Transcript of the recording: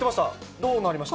どうなりました？